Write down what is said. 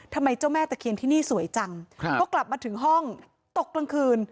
ทำไมเจ้าแม่ตะเคียนที่นี่สวยจังพอกลับมาถึงห้องตกกลางคืน